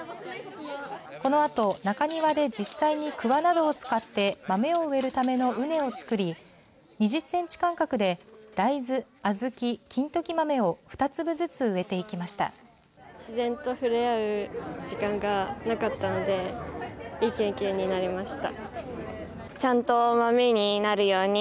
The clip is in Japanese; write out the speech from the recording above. このあと、中庭で実際にクワなどを使って豆を植えるための畝を作り２０センチ間隔で大豆、小豆、金時豆を２粒ずつ植えていきました。